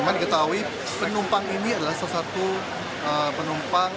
memang diketahui penumpang ini adalah salah satu penumpang